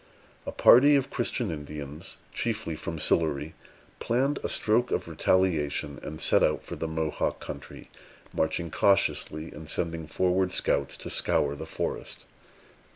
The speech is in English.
A party of Christian Indians, chiefly from Sillery, planned a stroke of retaliation, and set out for the Mohawk country, marching cautiously and sending forward scouts to scour the forest.